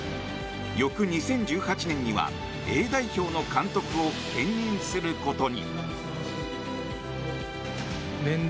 翌２０１８年にはＡ代表の監督を兼任することに。